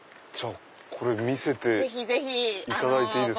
見せていただいていいですか？